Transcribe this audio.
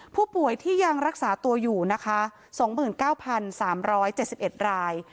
ผู้ป่วยที่ยังรักษาตัวอยู่นะคะ๒๙๓๗๑ราย